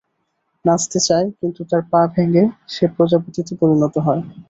নাচতে চায়, কিন্তু তার পা ভেঙ্গে, সে প্রজাপতিতে পরিণত হয়।